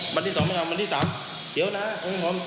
บันที่สองไม่ทำบันที่สามเดี๋ยวนะไม่พร้อม